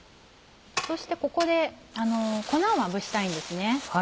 そしてここで粉をまぶしたいんです。